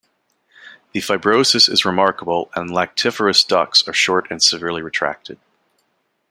The fibrosis is remarkable and lactiferous ducts are short and severely retracted.